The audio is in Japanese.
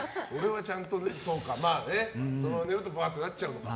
それは寝るとバーッとなっちゃうのか。